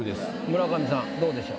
村上さんどうでしょう？